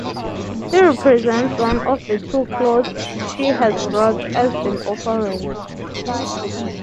He presents one of the two cloths she has brought as an offering.